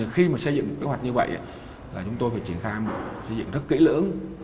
khi mà xây dựng kế hoạch như vậy là chúng tôi phải triển khai xây dựng rất kỹ lưỡng